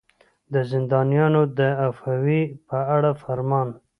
د زندانیانو د عفوې په اړه فرمان.